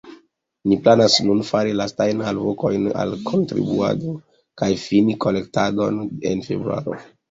Ni planas nun fari lastajn alvokojn al kontribuado kaj fini kolektadon en februaro.